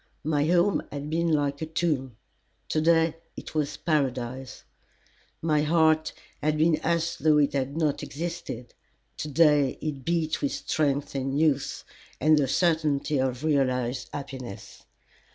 My home had been like a tomb; to day it was Paradise. My heart had been as though it had not existed; to day it beat with strength and youth and the certainty of realized happiness.